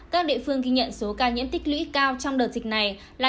các địa phương ghi nhận số ca nhiễm tích lũy cao trong đợt dịch này là